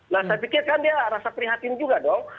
nah saya pikir kan dia rasa prihatin juga dong